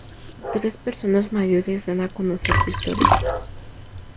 Tres personas mayores dan a conocer su historia.